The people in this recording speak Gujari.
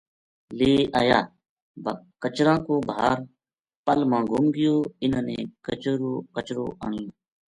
لے آیا با کچرا کو بھار پل ما گُم گیو اِنھا ں نے کچر و آنیو